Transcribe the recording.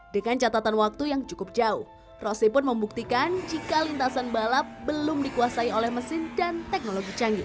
dengan catatan waktu yang cukup jauh rosi pun membuktikan jika lintasan balap belum dikuasai oleh mesin dan teknologi canggih